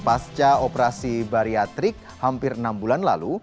pasca operasi bariatrik hampir enam bulan lalu